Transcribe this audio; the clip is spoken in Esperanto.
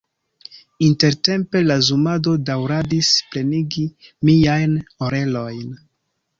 Intertempe la zumado daŭradis plenigi miajn orelojn.